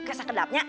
oke sekejap nya